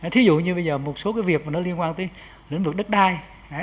thí dụ như bây giờ một số việc liên quan tới lĩnh vực đất đai